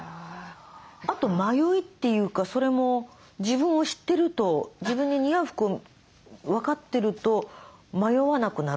あと迷いというかそれも自分を知ってると自分に似合う服分かってると迷わなくなるとか？